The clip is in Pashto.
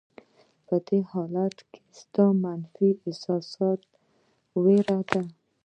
په دې حالت کې ستاسې منفي احساسات وېره ده.